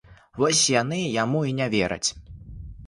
Вось яны яму і не вераць.